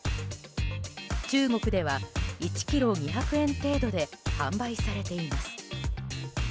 中国では１ｋｇ２００円程度で販売されています。